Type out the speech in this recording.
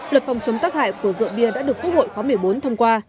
luật phòng chống tác hại của rượu bia đã được quốc hội khóa một mươi bốn thông qua